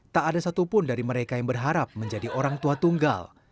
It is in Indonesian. tak ada satupun dari mereka yang berharap menjadi orang tua tunggal